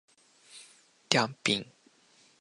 りゃんぴん